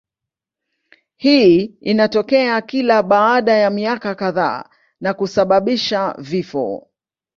Hii inatokea kila baada ya miaka kadhaa na kusababisha vifo.